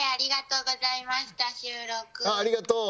ありがとう。